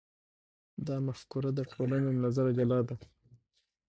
دا مفکوره د ټولنې له نظره جلا ده.